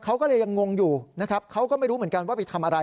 เขาก็เลยยังงงอยู่นะครับเขาก็ไม่รู้เหมือนกันว่าไปทำอะไร